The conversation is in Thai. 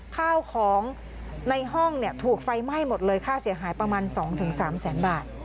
ข้าวของในห้องถูกไฟไหม้หมดเลยค่าเสียหายประมาณ๒๓แสนบาท